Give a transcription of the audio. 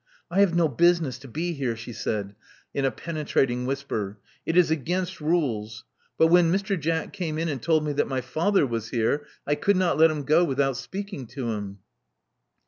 '*I have no business to be here," she said, in a penetrating whisper. It is against rules. But when Mr. Jack came in and told me that my father was here, I could not let him go without speaking to him."